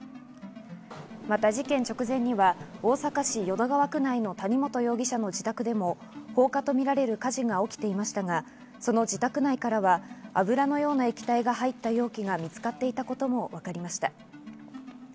また事件直前には大阪市淀川区内の谷本容疑者の自宅でも放火とみられる火事が起きていましたが、その自宅内からは油のような液体が入った容器が見つかっていたこともわかりました。